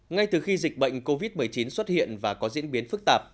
ngay từ khi dịch bệnh covid một mươi chín xuất hiện và có diễn biến phức tạp